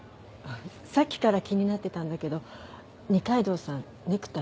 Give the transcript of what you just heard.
さっきから気になってたんだけど二階堂さんネクタイ変わった？